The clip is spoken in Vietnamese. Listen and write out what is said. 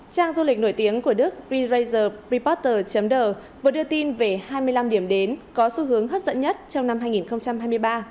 trang du lịch nổi tiếng của đức pre raiser reporter đ vừa đưa tin về hai mươi năm điểm đến có xu hướng hấp dẫn nhất trong năm hai nghìn hai mươi ba